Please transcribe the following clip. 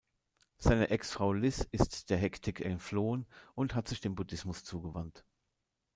Seine Ex-Frau Liz ist der Hektik entflohen und hat sich dem Buddhismus zugewandt.